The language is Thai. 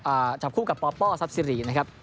อ่าจับคู่กับปอปเปาซับซิรีนะครับ